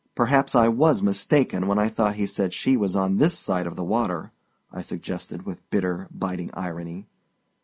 "Perhaps I was mistaken when I thought he said she was on this side of the water," I suggested, with bitter, biting irony.